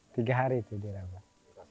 tiga hari itu dirawat